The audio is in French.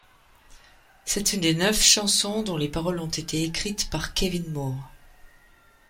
C'est une des neuf chansons dont les paroles ont été écrites par Kevin Moore.